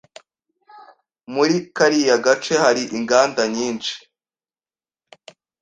Muri kariya gace hari inganda nyinshi.